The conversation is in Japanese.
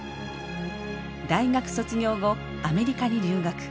大学卒業後アメリカに留学。